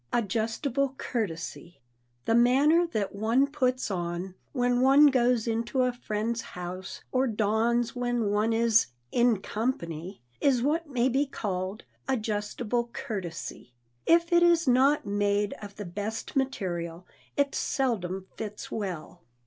[Sidenote: ADJUSTABLE COURTESY] The manner that one puts on when one goes into a friend's house, or dons when one is "in company," is what may be called "adjustable courtesy." If it is not made of the best material it seldom fits well.